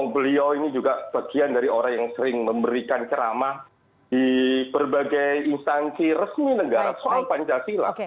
beliau ini juga bagian dari orang yang sering memberikan ceramah di berbagai instansi resmi negara soal pancasila